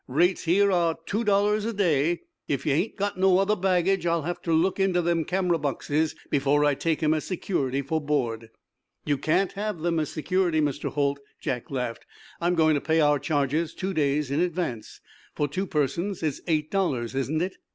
"Rates here are two dollars a day. If ye hain't got no other baggage I'll have ter look into them camera boxes before I take 'em as security for board." "You can't have them as security, Mr. Holt," Jack laughed. "I'm going to pay our charges two days in advance. For two persons it's eight dollars, isn't it?"